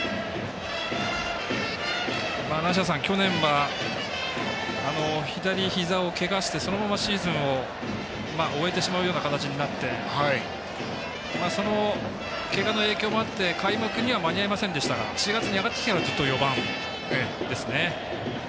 梨田さん、去年は左ひざをけがしてそのまま、シーズンを終えてしまうような形になってそのけがの影響もあって開幕には間に合いませんでしたが４月に上がってきてからずっと４番ですね。